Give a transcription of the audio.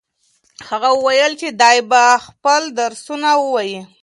هغه وویل چې دی به خپل درسونه وايي.